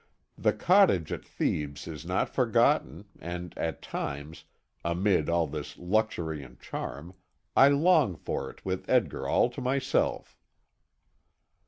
The cottage at Thebes is not forgotten, and at times, amid all this luxury and charm, I long for it with Edgar all to myself.